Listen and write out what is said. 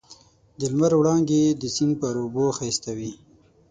د لمر وړانګې د سیند پر اوبو ښایسته وې.